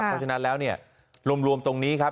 เพราะฉะนั้นแล้วเนี่ยรวมตรงนี้ครับ